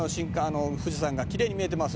富士山がキレイに見えてます”